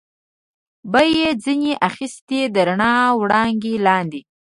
به یې ځنې اخیست، د رڼا وړانګې لاندې.